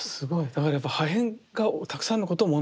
だからやっぱ破片がたくさんのことを物語ってる。